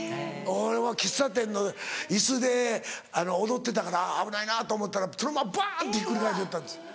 喫茶店の椅子で踊ってたから危ないなと思ったらそのままバン！とひっくり返りよったんです。